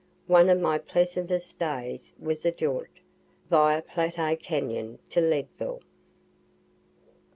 One of my pleasantest days was a jaunt, via Platte cañon, to Leadville.